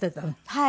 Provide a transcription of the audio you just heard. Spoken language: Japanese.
はい。